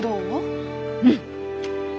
うん。